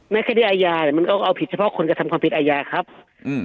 คดีอาญาเนี่ยมันก็เอาผิดเฉพาะคนกระทำความผิดอาญาครับอืม